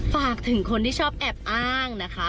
ฝากถึงคนที่ชอบแอบอ้างนะคะ